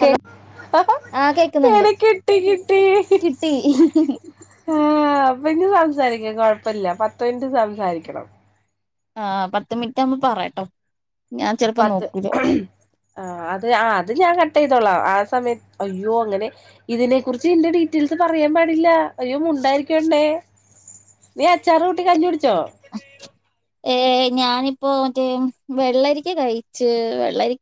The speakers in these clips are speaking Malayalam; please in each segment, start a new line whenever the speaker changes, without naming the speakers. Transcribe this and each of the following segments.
ഹലോ
കേക് ഹ ഹ
ആഹ് കേക്കുന്നുണ്ട്
എടി കിട്ടി കിട്ടി
കിട്ടി
ആഹ് അപ്പഇന്ന് സംസാരിക്കാ കൊഴപ്പല്ല പത്ത് മിനിറ്റ് സംസാരിക്കണം
ആഹ് പത്ത് മിനിറ്റ് ആകുമ്പോ പറയാട്ടോ ഞാൻ ചെലപ്പോ
പത്ത്
നോക്കൂ ലാ
ആ അത് ആ അത് ഞാൻ കട്ടെയ്തോളാം ആ സമയത്ത് അയ്യോ അങ്ങനെ ഇതിനെ കുറിച്ച് ഈന്റെ, ഡീറ്റെയിൽസ് പറയാൻ പാടില്ല. അയ്യോ മുണ്ടായിരിക്ക് പെണ്ണേ! നീ അച്ചാറ് കൂട്ടി കഞ്ഞി കൂടിച്ചോ!.
ഏ ഞാനിപ്പോമറ്റേ വെള്ളരിക്ക കഴിച്ച് വെള്ളരി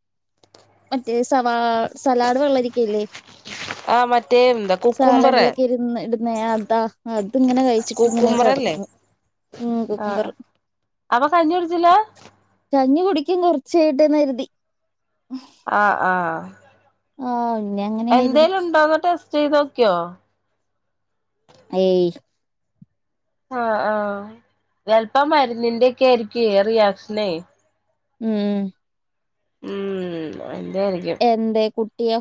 മറ്റേ സവാ സലാഡ് വെള്ളരിക്കല്ലേ
[unintelligible] ആ മറ്റേ എന്താ കൂ
സാലഡിലെക്കെ ഇടുന്ന അതാ അത് ഇങ്ങനെ കഴിച്ച് ട്ടിങ്ങനെ
കുക്കുംബറല്ലേ
കെടക്കുണു
ആ അ അവൻ കഞ്ഞി കുടിച്ചില്ല
കഞ്ഞി കുടിക്കും കുറച്ച് കഴിയട്ടെ എന്ന് കരുതി
ആഹ് ആഹ്
ആഹ് അങ്ങനെ കരുതി
എന്തേലും ഇണ്ടോന്ന് ടെസ്റ്റ് ചെയ്ത് നോക്കിയോ
അയ്യേ യ്
ആഹ് ആഹ് ചെല്പ്പം മരുന്നിന്റെയൊക്കെ ആയിരിക്കെ റിയാക്ഷനേ
ഉം
ഉം എന്തായിരിക്കും
എന്തേയ്? കുട്ടിയോ?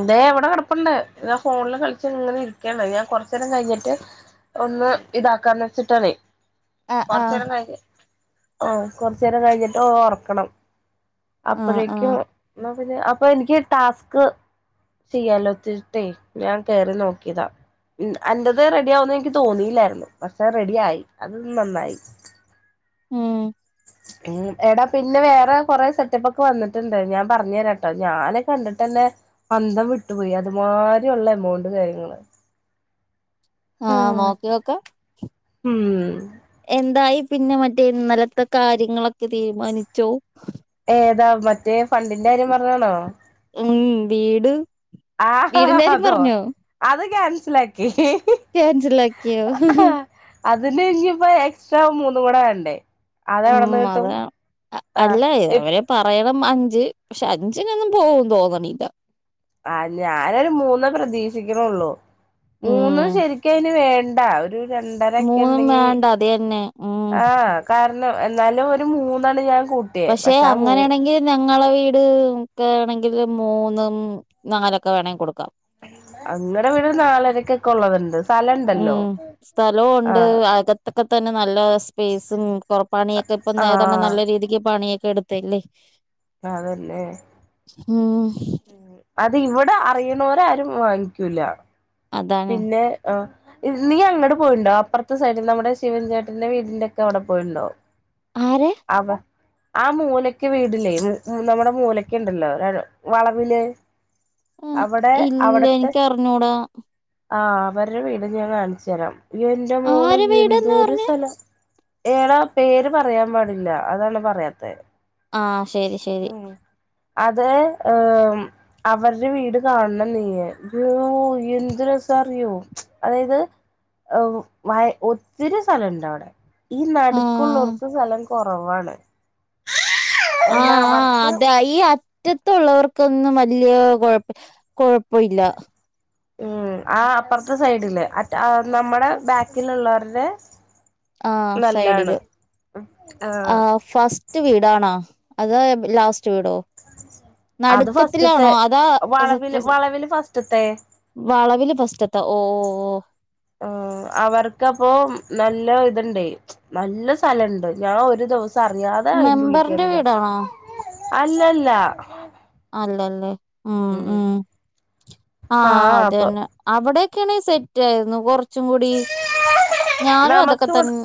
ഇതേ, ഇവിടെ കിടപ്പുണ്ട്. ഇതാ ഫോണിൽ കളിച്ച് ഇങ്ങനെ ഇരിക്കാണ്. ഞാൻ കൊറച്ചേരം കഴിഞ്ഞിട്ട് ഒന്ന് ഇതാക്കാന്ന് വെച്ചിട്ടാണെ
ആഹ് ആഹ്
കൊറച്ചേരം കഴിഞ്, ആഹ്, കൊറച്ചേരം കഴിഞ്ഞിട്ട് ഒറക്കണം.
ആഹ്
അപ്പോഴേക്കും,
ആഹ്
എന്ന പിന്നെ, അപ്പൊ എനിക്ക് ടാസ്ക് ചെയ്യാലോച്ചിട്ടേ, ഞാൻ കേറി നോകീതാ. ഉം. അന്റെത് റെഡിയാവൂന്ന് എനിക്ക് തോന്നിയില്ലായിരുന്നു. പക്ഷേ, റെഡി ആയി. അത് നന്നായി.
ഉം.
ഉം, എടാ പിന്നെ, വേറെ കൊറെ സെറ്റപ്പ് ഒക്കെ വന്നിട്ടുണ്ട്. ഞാൻ പറഞ്ഞെരാട്ടോ. ഞാന് കണ്ടിട്ടെന്നെ അന്തം വിട്ടുപോയി അത്മാതിരി ഉള്ള എമൗണ്ട് കാര്യങ്ങള്
ആഹ്, നോക്കിയോക്കേ.
ഉം
എന്തായി പിന്നെ മറ്റേ ഇന്നലത്തെ കാര്യങ്ങളൊക്കെ തീരുമാനിച്ചോ?
ഏതാ? മറ്റേ, ഫണ്ടിന്റെ കാര്യം പറഞ്ഞാണോ?
ഉം. വീട്,
ആഹ, ഹ, ഹാ
വീടിന്റെ കാര്യം
അതോ?
പറഞ്ഞോ?
അത് ക്യാൻസലാക്കി.
ക്യാൻസലാക്കിയോ?
അതിന്, ഇഞ്ഞിപ്പം എക്സ്ട്രാ മൂന്നും കൂടെവേണ്ടേ? അത്എവിടെന്ന്
ഉം
കിട്ടും
അതാ അ-
ആഹ്
അല്ല
എ
അവര് പറയണം അഞ്ച്. പക്ഷെ, അഞ്ചിനൊന്നും പോകും തോന്നണില്ല.
ആഹ്, ഞാനൊരു മൂന്ന് പ്രതീക്ഷിക്കണൊള്ളൂ. മൂന്ന്
ഉം
ശരിക്കയിന് വേണ്ട ഒരു രണ്ടരൊക്കെ
മൂന്നും
ണ്ടെങ്കി,
വേണ്ട അത് തന്നെ ഉം
ആഹ്. കാരണം. എന്നാലും, ഒരു മൂന്നാണ് ഞാൻ കണ്
പക്ഷെ, അങ്ങനെണെങ്കിൽ ഞങ്ങളെ വീട് ഒക്കെ വേണെങ്കില്, മൂന്നും, നാലൊക്കെ വേണെങ്കി കൊടുക്കാം.
അങ്ങനെ വീട് നാലരക്കൊക്കെ ഉള്ളതുണ്ട് സ്ഥലണ്ടല്ലോ
ഉം. സ്ഥലോംവൊണ്ട്,
ആഹ്
അക ഇപ്പതന്നെ നല്ല സ്പേസും കുർ പണിയൊക്കെ ഇപ്പം [unintelligible]
ആഹ്
നല്ല രീതിക്ക് പണിയൊക്കെ എട്ത്ത് തെല്ലേ
അതല്ലേ?
ഉം
അത്, ഇവിടെ അറിയ്ണോര് ആരും വാങ്ങിക്കൂല.
അതാണ്
പിന്നെ, ആഹ്, നീ അങ്ങട് പോയിണ്ടോ? അപ്പൊർത്തെ സൈഡിൽ നമ്മുടെ, ശിവൻചേട്ടന്റെ വീടിന്റെ ഒക്കെ അവിടെ പോയിണ്ടോ?
ആരെ
അവ ആ മൂലെക്കെ വീടില്ലേ ന നമ്മുടെ മൂലെക്കെണ്ടല്ലോ ആ വളവില്.
ആഹ്
അവടെ
ഇല്ല
അവടത്തെ
എനിക്ക് അറിഞ്ഞൂടാ
ആഹ് അവരുടെ വീട് ഞാൻ കാണ്ച്ചരാം. എന്റെ മോളേ
ആരെ വീടെന്ന്
എന്തൂരു
പറഞ്ഞേ
സ്ഥലം ഏടാ പേര് പറയാൻ പാടില്ല. അതാണ് പറയാത്തെ.
ആഹ്. ശരി, ശരി.
അതോ ഏ അവർടെ വീട് കാണണം നീയ്യ്, ഇയ്യോ.. ! എന്ത് രസാറിയോ? അതായത്, ഔ, വായ്, ഒത്തിരി സ്ഥലണ്ട് അവിടെ. ഈ
ആഹ്
നടുക്കുള്ളോർക്ക് സലം കുറവാണ് എന്നാ
ആഹ് ആഹ്
അവർക്ക്
അതാ ഈ അ മുറ്റത്തള്ളവർക്കൊന്നും വലിയ കുഴപ്പ കൊഴപ്പല്യ.
ഉം ആ അപ്പൊറ്ത്തെ സൈഡില്ലെ. അറ്റ ആ നമ്മുടെ ബാക്കിലുള്ളവരുടെ
ആഹ്
നല്ലാണ്
സൈഡില്
ആ
ആഹ് ഫസ്റ്റ് വീടാണോ? അതൊ ലാസ്റ്റ് വീടോ?
അത് ഫസ്റ്റ്ത്തെ
നടുക്കത്തിലാണോ അതാ സത്
വളവില്
സാ
വളവില് ഫസ്റ്റ്ത്തെ
വളവില് ഫസ്റ്റ്ത്താ ഓ
ആ അവർക്കപ്പൊ നല്ല ഇത്ണ്ട് നല്ല സ്ഥലണ്ട് ഞാൻ ഒരു ദിവ അറിയാതെ അയിന്റെുള്ളി
മെമ്പറിന്റെ
കേറിയതാ
വീടാണോ
അല്ലല്ല.
അല്ലല്ലേ ഉം ഉം ആഹ് അതെന്നേ അവിടെക്കെയാണ സെറ്റ് ആയിരുന്നു കൊറച്ചും കൂടി ഞാനും അതൊക്കെ
നമുക്ക് ഇവ
തന്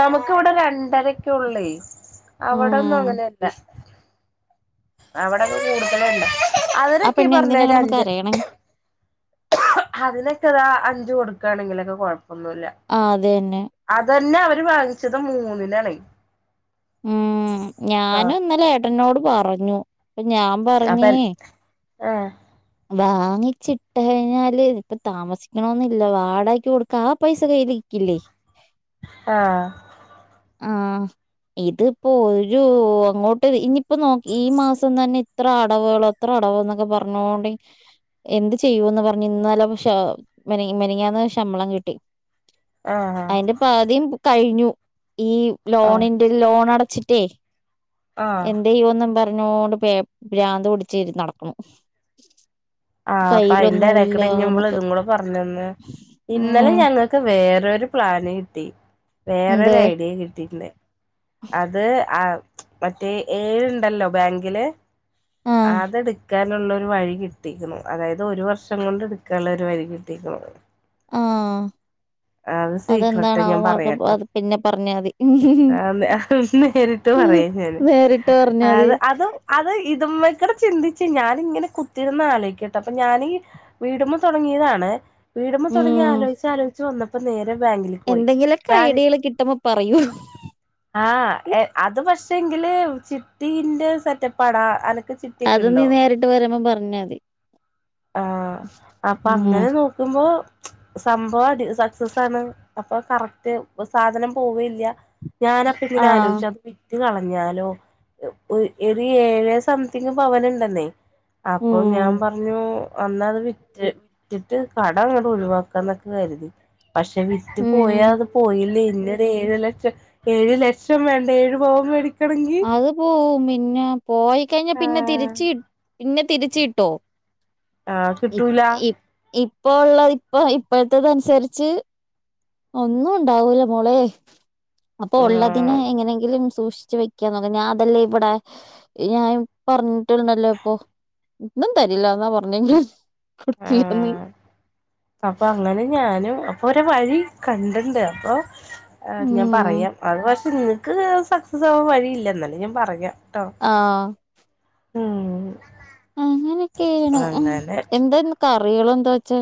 നമുക്ക് ഇവിടെ രണ്ടരക്കെ ള്ളേ അവിടൊന്നും
ഉം
അങ്ങനെല്ല അവിടെ കൂടുതലണ്ട്
ആ
അതിനൊക്കെ
പെണ്ണ്
പറഞ്ഞെ
എന്തിനാ
ഒരു
കിടന്ന്
അഞ്ച്
കരയണേ
അതിനൊക്കതാ അഞ്ച് കൊടുക്കാണെങ്കിലൊക്കെ കൊഴപ്പൊന്നുല്ല
ആ അതെന്നെ.
അതന്നെ അവര് വാങ്ങിച്ചത് മൂന്നിനലാണെ.
ഉം ഞാനും
ആഹ്
ഇന്നലെ ഏട്ടനോട് പറഞ്ഞു പ്പം ഞാൻ പറഞ്ഞേ
അപ്പൻ ആഹ്
വാങ്ങിച്ചിട്ടഴിഞ്ഞാല് ഇപ്പ താമസിക്കണന്നില്ല വാടക്ക്‌ ക്കൊടുക്ക ആ പൈസ കയ്യില് കില്ലേ
ആഹ്
ആ ഇതിപ്പോ ഒരു അങ്ങോട്ട് ഇനിയിപ്പോ നോക്കി ഈ മാസം തന്നെ ഇത്ര അടവുളോ എത്ര അടവന്നൊക്കെ പറഞ്ഞോണ്ട എന്ത് ചെയ്യൂന്ന് പറഞ്ഞു ഇന്നാല ശോ മെനഞ്ഞാന്ന് ശമ്പളം കിട്ടി.
ആഹ്
അയിന്റെ പാതിം കഴിഞ്ഞു. ഈ
ആഹ്
ലോണിൻ ലോൺ അടച്ചിറ്റെ
ആഹ്
എന്തായ്യോന്നും പറ നോട് പേ ഭ്രാന്ത് പിടിച്ച് നടക്കും
ആഹ് അപ്പൊ അയിന്റെ എടേക്കുടെ ഞമ്മള്
കയ്യിലൊന്നുംല്ലന്നൊക്കെ
ഇതും കൂടെ പറഞ്ഞെന്ന്. ഇന്നലെ
ഉം
ഞങ്ങക്ക് ക്ക് വേറൊര് പ്ലാന് കിട്ടി.
എന്ത്
വേറൊര് ഐഡിയെം കിട്ടിട്ട്ണ്ട് അത്. ആ മറ്റേ ഏഴുണ്ടല്ലോ ബാങ്കില്
ആഹ്
അതെട് ക്കാനുള്ള ഒരു വഴി കിട്ടിക്കുണു അതായത് ഒരു വർഷം കൊണ്ട് എടുക്കാനുള്ള ഒരു വഴി കിട്ടീക്കുണ്
ആഹ്
അത് സീക്രട്ട്
അതെന്താണ്
ഞാൻ
അവമാർക്ക്
പറയാട്ടൊ
അത് പിന്നെ പറഞ്ഞാൽ മതി
നേരിട്ട് ട്ട്പറയാ ഞാന്
നേരിട്ട് പറഞ്ഞാൽ
ആ
മതി
അത് അത് ഇതിമ്മക്കൂടെ ചിന്തിച്ച് ഞാനിങ്ങനെ കു ത്തിരുന്ന് ആലോയിക്കട്ടെ അപ്പൊ ഞാനീ വീടുമ്പ തുടങ്ങിയതാണ് വീടുമ്പോ തുടങ്ങി
ഉം
ആലോയ്ച് ആലോയിച്ചു വന്നപ്പോ നേരെ ബാങ്കിൽ പോയി
എന്തെങ്കിലൊക്കെ
ബാങ്ക്
ഐഡിയകൾ കിട്ടുമ്പോ പറയൂ
ആഹ് അത് പക്ഷെ എങ്കില് ചിട്ടീന്റെ സെറ്റപ്പടാ അ
അത് നീ നേരിട്ട് വരുമ്പോ പറഞ്ഞല്ലേ ഉം
കുമ്പോ സംഭവം അത് സക്സസാണ് അപ്പൊ കറക്റ്റ് സാധനം പോവേല്ല ഞാനൻപ്പ പിന
ആഹ്
ആലോയ്ച്ച അത് വിറ്റ് കളഞ്ഞാലോ ഒര് ഏഴേ സംതിങ് പവനുണ്ടെന്നേ അപ്പോ
ഉം
ഞാൻ പറഞ്ഞു വന്ന അത് വിറ്റ് വിറ്റിട്ട് കട അങ്ങോട്ട ഒഴിവാക്കാന്നൊക്കെ കരുതി പക്ഷെ വിറ്റ്
ഉം
പോയാ അത് പോയില്ലേ പിന്നെ ഏഴ് ലക്ഷം ഏഴ് ലക്ഷം വേണ്ടെ ഏഴ് പവൻ മേടി
അത് പോവും പിന്നെ പോയിക്കഴിഞ്ഞാ പിന്നെ
ആഹ്
തിരിച്ച് പിന്നെ തിരിച് കിട്ടോ?
ആഹ്
ഇ
കിട്ടൂല
ഇ ഇപ്പോ ഉള്ളതി ഇപ്പോ ഇപ്പോഴത്തത്നുസരിച്ച് ഒന്നും ഉണ്ടാവൂല മോളെ അപ്പൊ ഉള്ളതിന്
ആഹ്
എങ്ങനെങ്കിലും സൂക്ഷിച്ചു വെ [unintelligible] ഞാൻ അതല്ലേ ഇവിടെ ഞാൻ പറഞ്ഞിട്ടണ്ടല്ലോ ഇപ്പൊ. ഒന്നും തരില്ല എന്നാ പറഞ്ഞെ കൊടുക്കില്ലാന്ന്
ആഹ് അപ്പൊ അങ്ങനെ ഞാനും അപ്പൊ ഒര വഴി കണ്ടിണ്ട് അപ്പൊ ആഹ് ഞാൻ
ഉം
പറയാം അത് പക്ഷെ ഇങ്ങക്ക് സക്സസ് ആവാൻ വഴിയില്ല ഇന്നാലും ഞാൻ പറയാട്ടോ
ആഹ്
ഉം
അങ്ങനൊക്കെയാണ്
അങ്ങനെ
എന്താ ഇന്ന് കറികള എന്താ വച്ചാ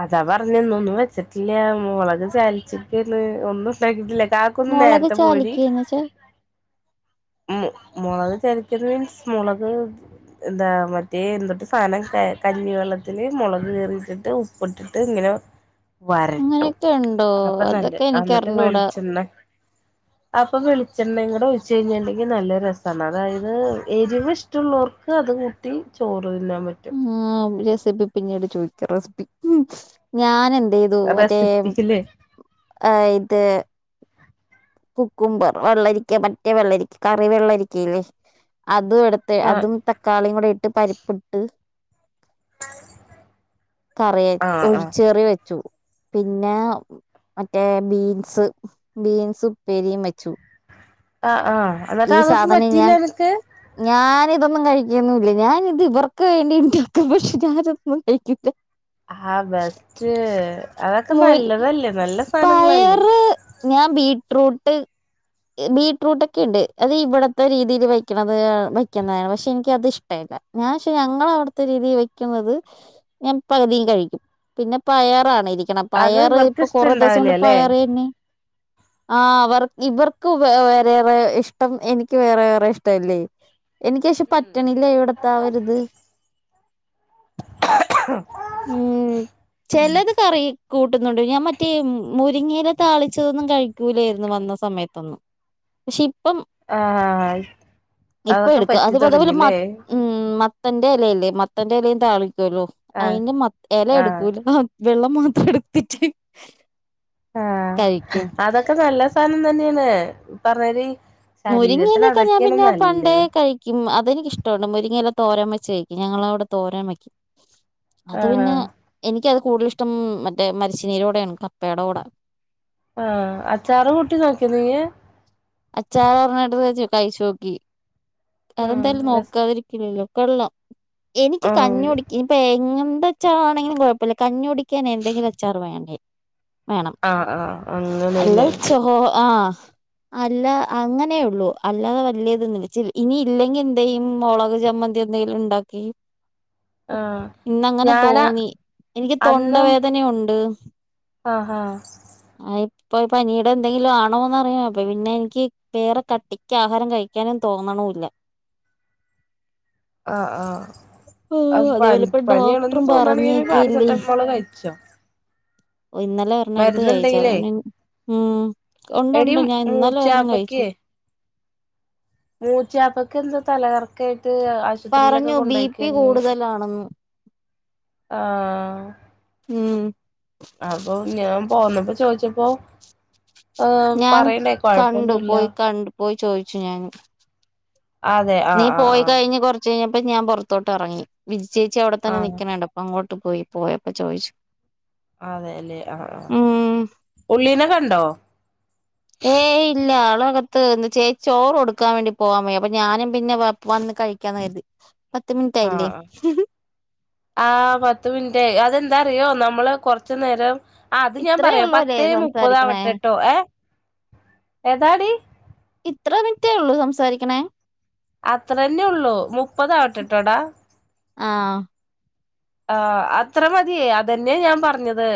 അതാ പറഞ്ഞെ ഇന്നൊന്നും വെച്ചിട്ടില്ല മുളക് ചാലിച്ചിക്കന്ന് ഒന്നും ഉണ്ടാക്കിട്ടില്ല കാക് ക്കുന്ന്
മുളക്
നേരത്തെ പോരി
ചാലിക്കന്ന് വെച്ചാ
മുളക് ചതച്ചത് മീൻസ് മുളക് എന്താ മറ്റേ എന്തൊട്ട് സാധനം കഞ്ഞിവെള്ളത്തിൽ മുളക് കിറിയിട്ടിട്ട് ഉപ്പിട്ടിട്ട് ഇങ്ങനെ വരട്ടും
അങ്ങനെയൊക്കെ ഉണ്ടോ
അപ്പൊ നല്ല
അതൊക്കെ
അന്നട്ട്
എനിക്കറിഞ്ഞൂടാ
വിളിച്ചണ്ണ അപ്പൊ വെളിച്ചെണ്ണ എങ്ങോടെ ഒഴിച്ചു കഴിഞ്ഞാൽ നല്ല രസമാണ് അതായത് എരിവ് ഇഷ്ടമുള്ളവർക്ക് അത് കൂട്ടി ചോറ് തിന്നാൻ പറ്റും
ഉം റെസിപ്പി പിന്നീട് ചോദിക്കാം റെസിപ്പി ഞാൻ എന്തേ തോ മറ്റേ
റെസിപ്പിയില്
എ ഇത് കുക്കുബർ വെള്ളരിക്ക മറ്റേ വെള്ളരിക്ക കറി വെള്ളരിക്കല്ലേ അതും എടുത്ത്
ആഹ്
അതും തക്കാളിയും കൂടെ ഇട്ട് പരിപ്പ്ട്ട് കറിയന്
ആഹ് ആഹ്
ഒഴിച്ചുകറി വേ പിന്നെ മറ്റേ ബീൻസ് ബീൻസ് ഉപ്പേരിയും വെച്ചു
ആഹ് ആഹ് എന്നിട്ട്
ഈ
അതൊന്നും
സാധനം
പറ്റിയില്ല അനക്
ഞാൻ ഇതൊന്നും കഴിക്കന്നില്ല ഞാന ഇത് ഇവർക്ക് വേണ്ടിണ്ടാക്കും പക്ഷെ ഞാന ഇതൊന്നും കഴിക്കില്ല
ആഹ് ബെസ്റ്റ് അതൊക്കെ നല്ലതല്ലേ നല്ല സാധനങ്ങളല്ലേ
പയറ് ഞാൻ ബീറ്റ്റൂട്ട് ബീ ഫ്രൂട്ടൊക്കെ ഉണ്ട് അത് ഇവിടത്തെ രീതിയിൽ വക്ക്ണത് വയ്ക്കുന്നാണ് പക്ഷെ എനിക്കത് ഇഷ്ട്ടായില്ല ഞാൻെപഷേ ഞങ്ങള അവിടുത്തെ രീതിയിൽ വെക്കുന്നത് ഞാൻ പകുതിയും കഴിക്കും പിന്നെ പയാറാണ് ഇരി
അത്
പയറ്
ഇവർക്ക്
ഇപ്പൊ കൊറേ ദിവസം
ഇഷ്ടണ്ടാവില്ല
കൊണ്ട്
അല്ലേ
പയറ് തന്നെ ആഹ് വർക്ക് ഇവർക്ക് വേറെ ഇഷ്ടം എനിക്ക് വേറെേറെ ഇഷ്ടല്ലേ എനക്ക്ഷെ പറ്റണില്ലേ ഇവിടത്താരുത് ഉം ചിലത് കറി കൂട്ടുന്നുണ്ട് ഞാൻ മറ്റേ മുരിങ്ങയില താളിച്ചതൊന്നും കഴിക്കൂലായിരുന്നു വന്ന സമയത്തൊന്നും പക്ഷെ ഇപ്പം
ആഹ്
ഇപ്പൊ
അതൊക്കെ
എടുക്ക
പറ്റി
അത് പതവിൽ മ
തുടങ്ങില്ലേ
ഉം മത്തന്റെ ഇലയില്ലേ മത്തന്റെ ഇലയും താളിക്കല്ലോ
ആഹ്
അതിന്റെ മത്ത ഇല
ആഹ്
എടുക്കൂല വെള്ളം മാത്രം എടുത്തിട്ട്
ആഹ്
കഴിക്കും
അതൊക്കെ നല്ല സാധനം തന്നെയാണ് പറഞ്ഞാല്
മുരിങ്ങഇല
ശരീരത്തിന്
ഒക്കെ ഞാൻ
അതൊക്കെയാണ്
പിന്നെ പണ്ടേ
നല്ലത്
കായി അതെനിക്ക ഇഷ്ടുണ്ട് മുരിങ്ങെല്ലാം തോരം വച്ച കഴിക്കും ഞങ്ങള ഔടെ തോരനും വാക്കും അത്
ആഹ്
പിന്നെ എനിക്കത് കൂടുതൽ ഇഷ്ടം മറ്റേ മരച്ചിനീയിലൂടെയാണ് കപ്പയുടെ കൂടെ
ആഹ് അച്ചാർ കൂട്ടി നോക്കിയ നീ
അച്ചാറ പറഞ്ഞിട്ടത് ജ് കഴിച്ചോക്കി
ആഹ്
അതെന്തായാലും
രസ
നോക്കാതിരിക്കില്ലല്ലോ കൊള്ളാം എനിക്ക്
ആഹ്
കഞ്ഞി കുടിക്കാൻ പേ തേങ്ങന്തച്ചാറാണെങ്കിലും കുഴപ്പയില്ല കഞ്ഞി കുടിക്കാൻ എന്തെങ്കിലും അച്ചാറ് വേണ്ടേ വേണം
ആഹ് ആഹ്
അല്ല
അങ്ങനെല്ലേ
ചോ ആഹ് അല്ല അങ്ങനെയള്ളൂ അല്ലാതെ വലിയതന്ന് വെച്ച ഇനി ഇല്ലെങ്കി എന്തയ്യും മൊളക് ചമ്മന് എന്തെങ്കിലും ഇണ്ടാക്കി
ആഹ്
ഇന്നങ്ങനെ
ഞാനാ
തോന്നി എനിക്ക്
അന്നും
തൊണ്ടവേദനുണ്ട്
ആഹ് അഹ്
അഹ് ഇപ്പ പനീടെ എന്തെങ്കിലും ആണോന്ന്റിയോ അപ്പ പിന്നെ എനിക്ക് വേറെ കട്ടിക്ക് ആഹാരം കഴിക്കാനും തോന്ന്ണൂല്ല
ആഹ്
ഓഹ്
ആഹ്
അതേപോലെ
പനി
ഇപ്പൊ
പനിയണെന്ന്
ഡോക്ടറും
തോന്നാണെങ്കിൽ ഒരു പാരസെറ്റമോള് കഴിച്ചോ
ഓഹ് ഇന്നലെ ഒരെണ്ണം എടുത്ത് കഴിച്ച അത
മരുന്നുണ്ടെങ്കിലേ
ഉം
എടി
ഉണ്ടുണ്ട് ന്നലെ ഒരെണ്ണം കഴിച്ചു
മൂച്ചാപ്പക്ക് മൂച്ചാപ്പക്കെന്താ തലകറക്കായി ആശുപത്രിയിലൊക്കെ
പറഞ്ഞു ബി പി
കൊണ്ടുപോയിക്കെര്ന്നു
കൂടുതലാണെന്ന്
ആഹ്
ഉം
അപ്പൊ ഞാൻ പോന്നപ്പോ ചോദിച്ചപ്പോ
ഞാൻ
പറയണ്ടേ
കണ്ടു
കെഴപ്പയൊന്നുയില്ല
പോയി കണ്ടു പോയി ചോയിച്ചു ഞാൻ
അതെ
നീ
ആഹ് ആഹ്
പോയി
ആഹ്
കഴിഞ് കൊറ ചെയ് കഴിഞ്ഞപ്പോ ഞാൻ പുറത്തോട്ട് റങ്ങി വിജിചെച്ചി അവിടെത്തന്നെ
ആഹ്
നിക്കണ കണ്ടപ്പ അങ്ങോട്ട് പോയി പോയപ്പൊ ചോയിച്ചു
അതെല്ലേ ആഹ് ആഹ്
ഉം
ഉള്ളീനെ കണ്ടോ
ഏയ് ഇല്ല ആളക ത്ത് ന്ന് ചേ ച്ചോറ് കൊടുക്കാൻ വേണ്ടി പോവാൻ വയ്യ അപ്പൊ ഞാനും പിന്നെ വന്ന് കഴിക്കാന്ന് കര്തി പത്ത് മിൻറ്റായില്ലെ
ആഹ് ആഹ് പത്ത് മിനിറ്റ് ആയി അതെന്താ അറിയോ നമ്മള് കൊറച്ചു നേരം ആഹ് അത് ഞാൻ
ഇത്രേ
പറയാം
ഉള്ളൂ അല്ലേ
പത്തേ
സംസാരിക്കണേ
മുപ്പതാവട്ടെട്ടോ ഏഹ് ഏതാടി
ഇത്ര മിനിറ്റേ ഉള്ളൂ സംസാരിക്കണേ
അത്ര തന്നെ ഉള്ളൂ മുപ്പതാവട്ടെട്ടോടാ
ആഹ്
ആഹ് അത്ര മതി അത് തന്നെയാ ഞാൻ പറഞ്ഞത്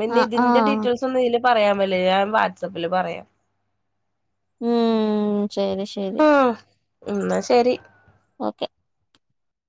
പിന്നെ
ആഹ്
ഇതിന്റെ
ആഹ്
ഡീറ്റെയിൽസ് ക്കെന്നും ഇതില് പറയാൻ പറ്റില്ല ഞാൻ വാട്സആപ്പില് പറയാം
ഉം ശരി ശരി
ആഹ് ന്നാ ശരി
ഓക്കെ